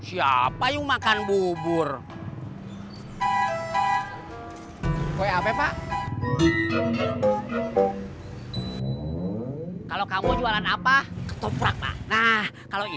ya pak mau gue duduk dulu pak